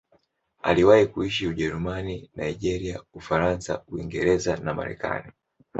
Aliwahi kuishi Ujerumani, Nigeria, Ufaransa, Uingereza na Marekani.